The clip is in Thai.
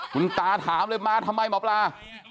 คุณตาถามเลยมาทำไมหมอปลา